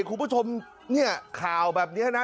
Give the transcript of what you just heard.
คุณผู้ชมเนี่ยข่าวแบบนี้นะ